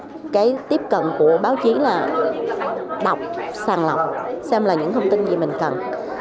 cái tiếp cận của báo chí là đọc sàng lọc xem là những thông tin gì mình cần